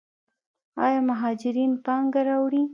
آیا مهاجرین پانګه راوړي؟